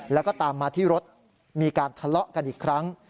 แล้วก็ตามมาที่รถมีการทะเลาะกันอีกครั้ง